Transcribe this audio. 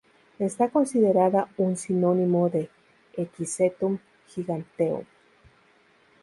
Está considerada un sinónimo de "Equisetum giganteum".